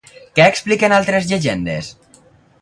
Què expliquen altres llegendes?